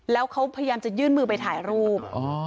แล้วเขาพยายามจะยื่นมือไปถ่ายรูป